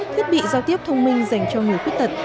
thiết bị giao tiếp thông minh dành cho người khuyết tật